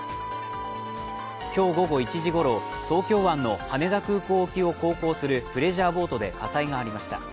今日午後１時ごろ、東京湾の羽田空港沖を航行するプレジャーボートで火災がありました。